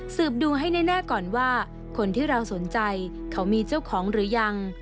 ดูให้แน่ก่อนว่าคนที่เราสนใจเขามีเจ้าของหรือยัง